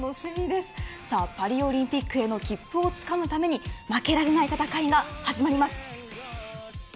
パリオリンピックへの切符をつかむために負けられない戦いが始まります。